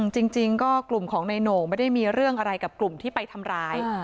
จริงก็กลุ่มของนายโหน่งไม่ได้มีเรื่องอะไรกับกลุ่มที่ไปทำร้าย